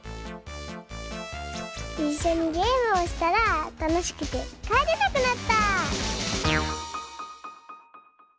いっしょにゲームをしたらたのしくてかえれなくなった！